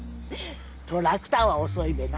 トラクターは遅いべな。